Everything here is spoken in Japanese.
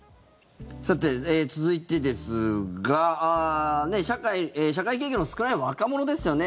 さて、続いてですが社会経験の少ない若者ですよね。